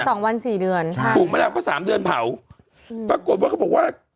สองวันสี่เดือนใช่ถูกไหมล่ะเพราะสามเดือนเผาอืมปรากฏว่าเขาบอกว่า